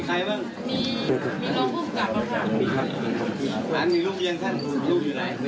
ใครบอก